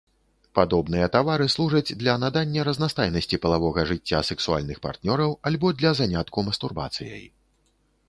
Падобныя тавары служаць для надання разнастайнасці палавога жыцця сексуальных партнёраў, альбо для занятку мастурбацыяй.